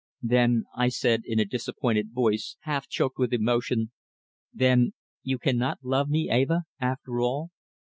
"Then," I said in a disappointed voice, half choked with emotion, "then you cannot love me, Eva, after all?"